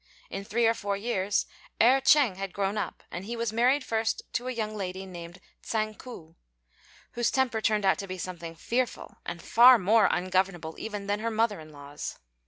In three or four years Erh ch'êng had grown up, and he was married first to a young lady named Tsang ku, whose temper turned out to be something fearful, and far more ungovernable even than her mother in law's.